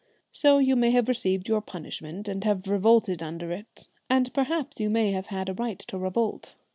So you may have received your punishment and have revolted under it; and perhaps you may have had a right to revolt.